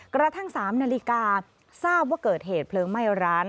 กระทั่ง๓นาฬิกาทราบว่าเกิดเหตุเพลิงไหม้ร้าน